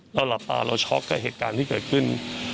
หลับตาเราช็อกกับเหตุการณ์ที่เกิดขึ้น